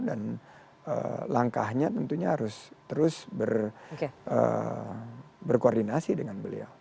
dan langkahnya tentunya harus terus berkoordinasi dengan beliau